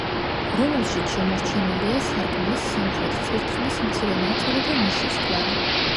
რომელშიც შემორჩენილია სარკმლის სამხრეთ წირთხლის მცირე ნაწილი და ნიშის კვალი.